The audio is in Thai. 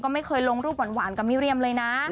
ไม่เคยลงรูปหวานกับมิเรียมเลยนะ